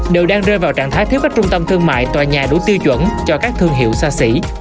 đều đang rơi vào trạng thái thiếu các trung tâm thương mại